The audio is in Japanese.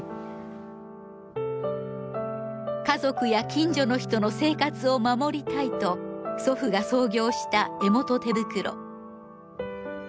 家族や近所の人の生活を守りたいと祖父が創業した江本手袋。